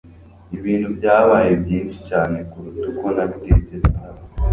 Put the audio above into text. Ibintu byabaye byinshi cyane kuruta uko nabitekerezaga